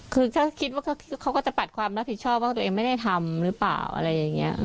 คือถ้าคิดว่าเขาก็จะปัดความรับผิดชอบว่าตัวเองไม่ได้ทำหรือเปล่าอะไรอย่างนี้